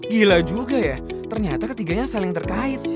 gila juga ya ternyata ketiganya saling terkait